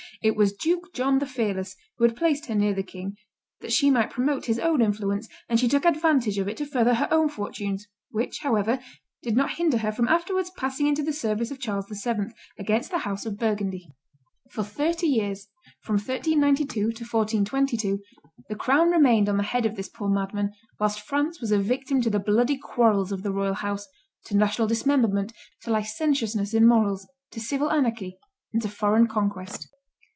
It was Duke John the Fearless, who had placed her near the king, that she might promote his own influence, and she took advantage of it to further her own fortunes, which, however, did not hinder her from afterwards passing into the service of Charles VII. against the house of Burgundy. [Illustration: Charles VI. and Odette 71] For thirty years, from 1392 to 1422, the crown remained on the head of this poor madman, whilst France was a victim to the bloody quarrels of the royal house, to national dismemberment, to licentiousness in morals, to civil anarchy, and to foreign conquest.